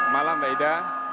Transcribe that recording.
malam mbak ida